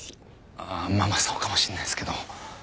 まあまあそうかもしれないですけど。